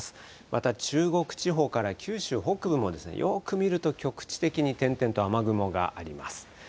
また中国地方から九州北部も、よく見ると局地的に点々と雨雲があります。